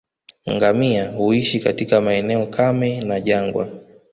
Ngamia huishi katika maeneo kame na jangwa